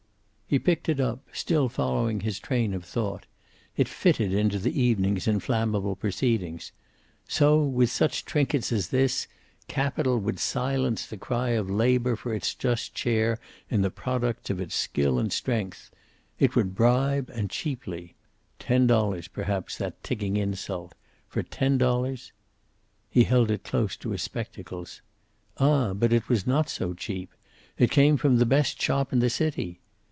He picked it up, still following his train of thought. It fitted into the evening's inflammable proceedings. So, with such trinkets as this, capital would silence the cry of labor for its just share in the products of its skill and strength! It would bribe, and cheaply. Ten dollars, perhaps, that ticking insult. For ten dollars He held it close to his spectacles. Ah, but it was not so cheap. It came from the best shop in the city.